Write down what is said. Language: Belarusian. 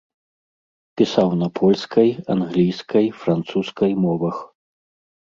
Пісаў на польскай, англійскай, французскай мовах.